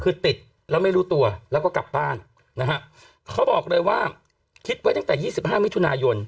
คือติดแล้วไม่รู้ตัวแล้วก็กลับบ้านนะฮะเขาบอกเลยว่าคิดไว้ตั้งแต่๒๕มิถุนายน